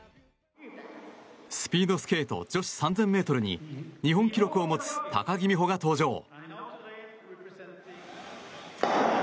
スピードスケート女子３０００ｍに日本記録を持つ高木美帆が登場。